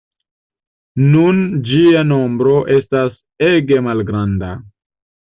Nun ĝia nombro estas ege malgranda.